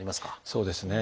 そうですね。